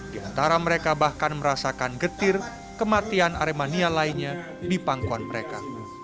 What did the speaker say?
di antara mereka bahkan merasakan getir kematian aremania lainnya di pangkuan mereka